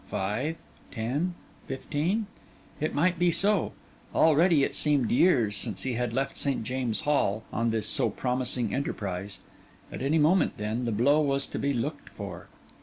Five? ten? fifteen? It might be so; already, it seemed years since he had left St. James's Hall on this so promising enterprise; at any moment, then, the blow was to be looked for.